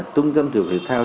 trung tâm thủy khởi thao